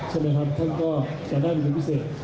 ใช่ไหมครับท่านก็จะได้เหรียญพิเศษ